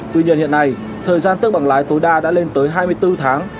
tuy nhiên hiện nay thời gian tước bằng lái tối đa đã lên tới hai mươi bốn tháng